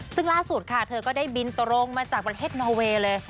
ซึ่งล่าสุดค่ะเธอก็ได้บินตรงมาจากประเทศนอเวย์เลย